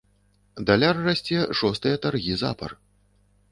Даляр расце шостыя таргі запар.